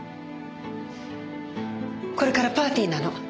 これからパーティーなの。